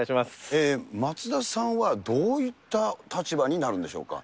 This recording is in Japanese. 松田さんはどういった立場になるんでしょうか。